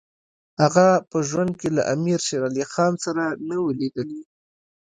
هغه په ژوند کې له امیر شېر علي خان سره نه وو لیدلي.